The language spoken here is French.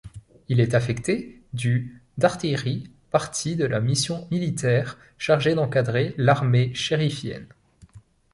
Il est affecté du d’artillerie, partie de la mission militaire chargée d’encadrer l’armée chérifienne.